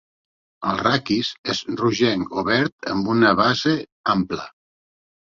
El raquis és rogenc o verd amb una base ampla.